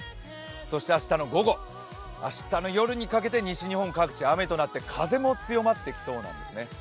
そして明日の午後明日の夜にかけて西日本の各地、雨が降り始めて風も強まってきそうなんですね。